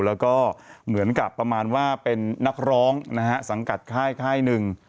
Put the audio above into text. แล้วก็เหมือนกับประมาณว่าเป็นนักร้องนะฮะสังกัดค่ายค่ายหนึ่ง